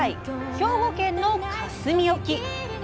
兵庫県の香住沖。